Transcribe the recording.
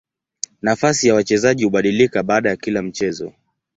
Nafasi ya wachezaji hubadilika baada ya kila mchezo.